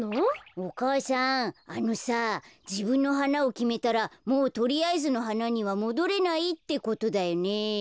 お母さんあのさじぶんのはなをきめたらもうとりあえずのはなにはもどれないってことだよね。